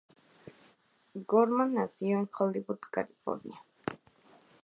Gorman nació en Hollywood, California.